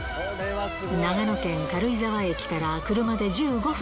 長野県軽井沢駅から車で１５分。